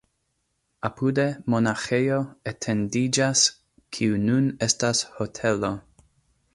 Apude monaĥejo etendiĝas, kiu nun estas hotelo.